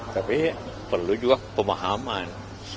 tapi perlu juga pemahaman